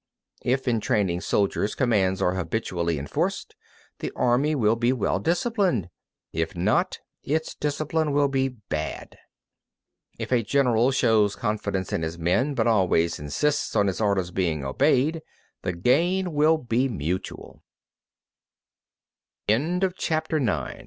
44. If in training soldiers commands are habitually enforced, the army will be well disciplined; if not, its discipline will be bad. 45. If a general shows confidence in his men but always insists on his orders being obeyed, the gain